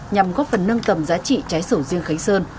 nhằm góp phần nâng cầm giá trị trái sổ riêng khánh sơn